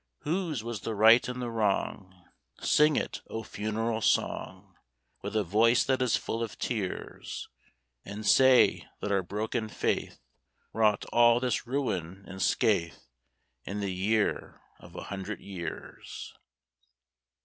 Whose was the right and the wrong? Sing it, O funeral song, With a voice that is full of tears, And say that our broken faith Wrought all this ruin and scathe, In the Year of a Hundred Years.